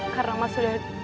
karena emak sudah